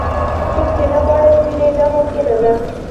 کوم چې نه غواړئ ووینئ دا ممکنه ده.